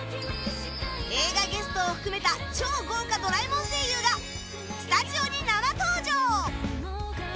映画ゲストを含めた超豪華「ドラえもん」声優がスタジオに生登場。